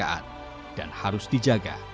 agama adalah kemampuan yang harus dikembali ke kemerdekaan